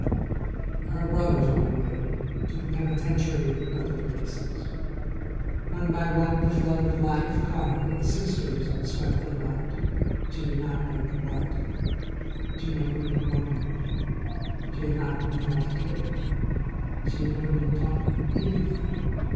Her brothers went away to the penitentiary and other places. One by one the flood of life caught her sisters and swept them out, she did not know to what. She never even wondered. She had not been taught to care. She had never been taught anything.